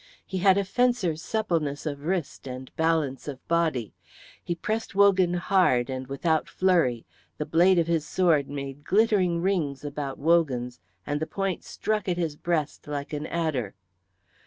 He had a fencer's suppleness of wrist and balance of body; he pressed Wogan hard and without flurry. The blade of his sword made glittering rings about Wogan's, and the point struck at his breast like an adder.